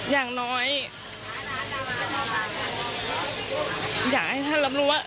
อย่างน้อยอยากให้ท่านรับรู้ว่า